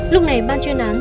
lúc này ban chuyên án